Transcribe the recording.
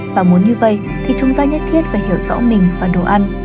và muốn như vậy thì chúng ta nhất thiết phải hiểu rõ mình và đồ ăn